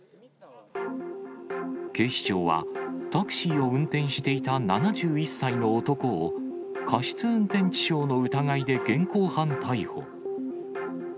警視庁は、タクシーを運転していた７１歳の男を、過失運転致傷の疑いで現行犯逮捕。